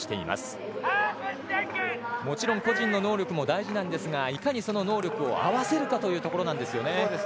個人の能力も大事なんですがいかにその能力を合わせるかというところなんですよね。